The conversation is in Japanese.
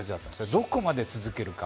どこまで続けるか。